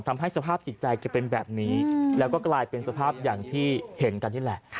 ทำให้สภาพจิตใจแกเป็นแบบนี้แล้วก็กลายเป็นสภาพอย่างที่เห็นกันนี่แหละ